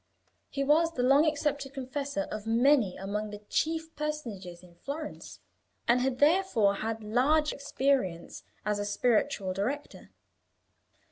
He was the long accepted confessor of many among the chief personages in Florence, and had therefore had large experience as a spiritual director.